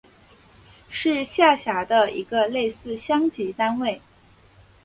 是下辖的一个类似乡级单位。